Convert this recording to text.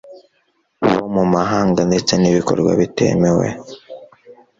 bo mu mahanga ndetse nibikorwa bitemewe